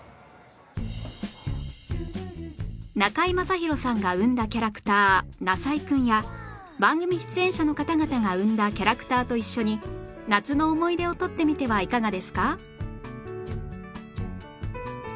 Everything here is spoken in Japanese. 中居正広さんが生んだキャラクターなさいくんや番組出演者の方々が生んだキャラクターと一緒に夏の思い出を撮ってみてはいかがですか？